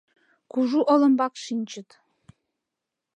Кужу олымбак шинчыт.